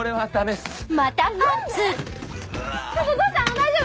大丈夫？